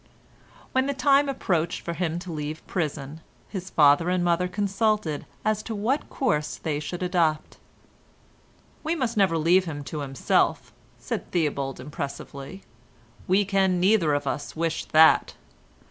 When the time approached for him to leave prison, his father and mother consulted as to what course they should adopt. "We must never leave him to himself," said Theobald impressively; "we can neither of us wish that."